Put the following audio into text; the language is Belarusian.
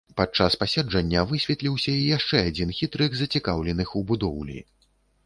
Падчас паседжання высветліўся і яшчэ адзін хітрык зацікаўленых у будоўлі.